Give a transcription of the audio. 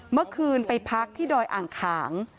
เมื่อคืนไปพักที่ดอยอ่างขาง